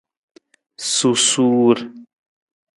Susuur.